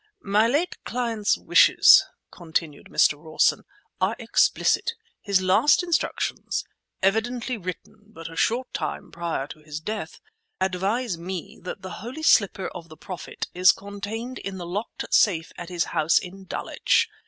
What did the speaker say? "My late client's wishes," continued Mr. Rawson, "are explicit. His last instructions, evidently written but a short time prior to his death, advise me that the holy slipper of the Prophet is contained in the locked safe at his house in Dulwich.